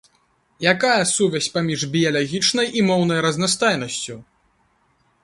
Якая сувязь паміж біялагічнай і моўнай разнастайнасцю?